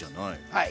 はい。